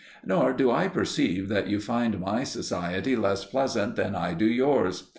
Nor do I perceive that you find my society less pleasant than I do yours.